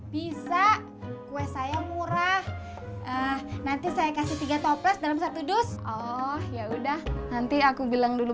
bisa kue saya murah nanti saya kasih tiga toples dalam satu dus oh yaudah nanti aku bilang dulu